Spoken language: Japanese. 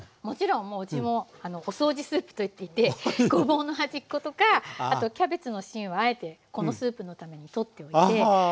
もちろんもううちも「お掃除スープ」と言っていてごぼうの端っことかあとキャベツの芯をあえてこのスープのために取っておいて。